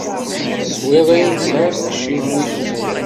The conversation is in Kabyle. Teswiḍ ayen tesɛiḍ deg yiciwi-k.